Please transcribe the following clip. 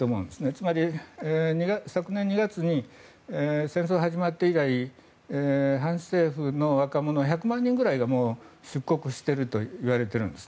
つまり昨年２月に戦争が始まって以来反政府の若者１００万人ぐらいが出国しているといわれているんです。